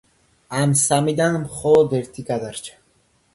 ამ სამიდან მხოლოდ ერთი გადარჩა.